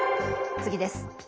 次です。